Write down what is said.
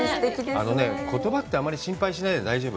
あのね、言葉ってあまり心配しないで大丈夫。